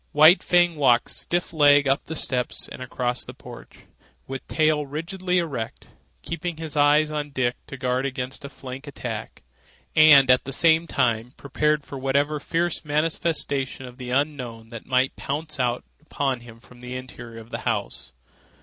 White Fang walked stiff legged up the steps and across the porch, with tail rigidly erect, keeping his eyes on Dick to guard against a flank attack, and at the same time prepared for whatever fierce manifestation of the unknown that might pounce out upon him from the interior of the house.